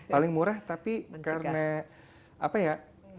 paling murah tapi karena apa ya